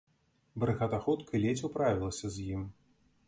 Брыгада хуткай ледзь управілася з ім.